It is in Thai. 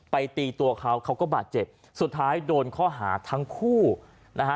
ตีตัวเขาเขาก็บาดเจ็บสุดท้ายโดนข้อหาทั้งคู่นะฮะ